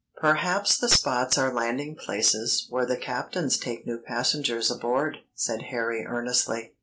"Perhaps the spots are landing places where the captains take new passengers aboard," said Harry earnestly.